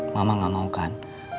mama gak mau kan